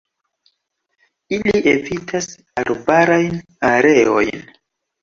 Ili evitas arbarajn areojn.